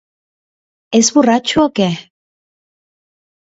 És borratxo o què?